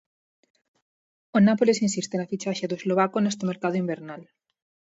O Nápoles insiste na fichaxe do eslovaco neste mercado invernal.